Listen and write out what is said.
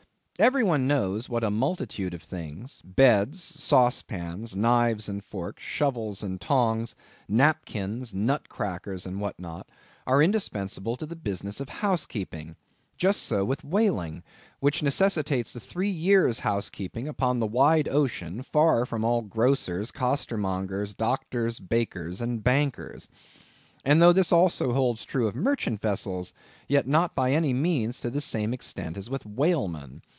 Every one knows what a multitude of things—beds, sauce pans, knives and forks, shovels and tongs, napkins, nut crackers, and what not, are indispensable to the business of housekeeping. Just so with whaling, which necessitates a three years' housekeeping upon the wide ocean, far from all grocers, costermongers, doctors, bakers, and bankers. And though this also holds true of merchant vessels, yet not by any means to the same extent as with whalemen.